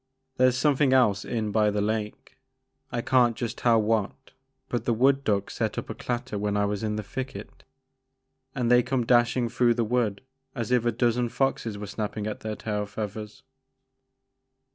There 's something else in by the lake, — I can't just tell what, but the wood duck set up a clatter when I was in the thicket and they come dashing through the wood as if a dozen foxes was snappin' at their tail feathers."